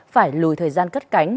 phải lùi thời gian cất cánh